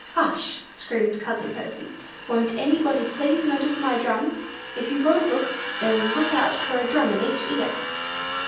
"Hush!" screamed cousin Percy; "won't anybody please notice my drum? If you won't look, then look out for a drum in each ear!"